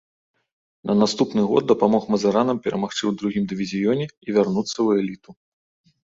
На наступны год дапамог мазыранам перамагчы ў другім дывізіёне і вярнуцца ў эліту.